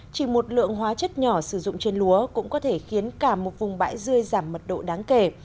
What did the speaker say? chỉ một lượng hóa chất nhỏ sử dụng trên lúa cũng có thể khiến cả một vùng bãi rơi giảm mật độ đáng kể